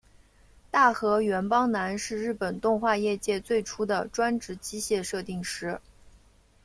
大河原邦男是日本动画业界最初的专职机械设定师。